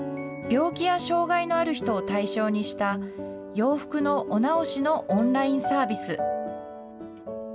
病気や障害のある人を対象にした洋服のお直しのオンラインサービス。